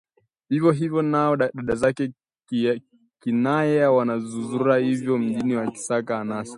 Vivyo hivyo nao dada zake Kinaya wanazurura ovyo mjini wakisaka anasa